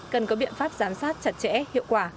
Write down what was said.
cần có biện pháp giám sát chặt chẽ hiệu quả